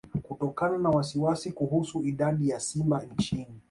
Kutokana na wasiwasi kuhusu idadi ya simba nchini